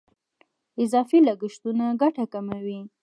اضافي لګښتونه ګټه کموي.